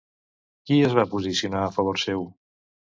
Qui es va posicionar a favor seu?